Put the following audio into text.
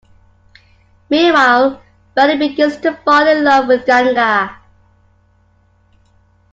Meanwhile, Ballu begins to fall in love with Ganga.